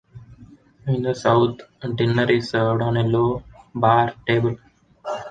In the south, dinner is served on a low, bare table.